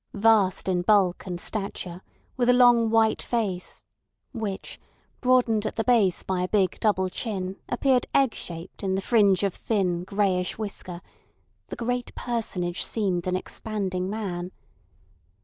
Vast in bulk and stature, with a long white face, which, broadened at the base by a big double chin, appeared egg shaped in the fringe of thin greyish whisker, the great personage seemed an expanding man.